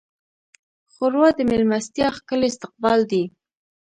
ښوروا د میلمستیا ښکلی استقبال دی.